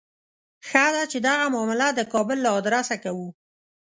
ښه ده چې دغه معامله د کابل له آدرسه کوو.